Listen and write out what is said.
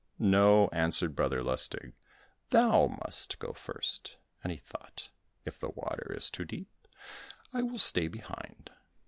"No," answered Brother Lustig, "thou must go first," and he thought, "if the water is too deep I will stay behind."